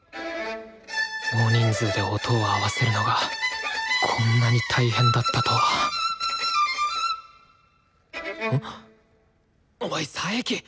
大人数で音を合わせるのがこんなに大変だったとはおい佐伯！